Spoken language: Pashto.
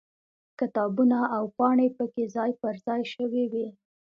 کتابونه او پاڼې پکې ځای پر ځای شوي وي.